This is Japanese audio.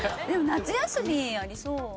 夏休みありそう。